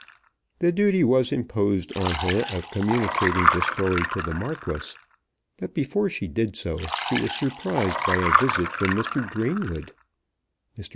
The duty was imposed on her of communicating the story to the Marquis; but before she did so she was surprised by a visit from Mr. Greenwood. Mr.